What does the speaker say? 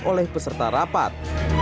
oleh peserta rapat